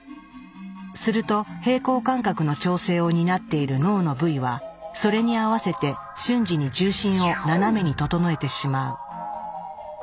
すると平衡感覚の調整を担っている脳の部位はそれに合わせて瞬時に重心を斜めに整えてしまう。